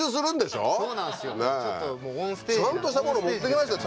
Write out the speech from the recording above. そうなんですよ。ちゃんとしたもの持ってきましたよ。